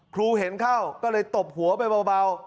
ครูเห็นเข้าก็เลยตบหัวไปเบา